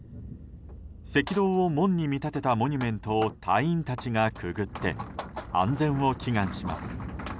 赤道を門に見立てたモニュメントを隊員たちがくぐって安全を祈願します。